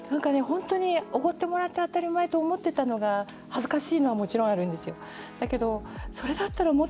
本当におごってもらえて当たり前と思ってたのが恥ずかしいのはもちろんあるんですよ。